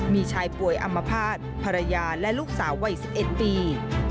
มีชายป่วยอัมพาตภรรยาและลูกสาววัย๑๑ปี